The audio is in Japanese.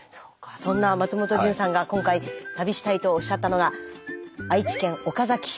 そんな松本潤さんが今回旅したいとおっしゃったのが愛知県岡崎市。